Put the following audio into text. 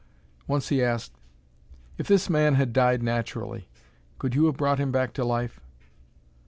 Once he asked: "If this man had died naturally, could you have brought him back to life?"